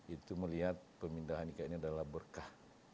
itu melihat pemindahan ikan ini adalah berkah